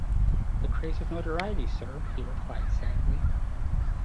"The craze of notoriety, sir," he replied sadly.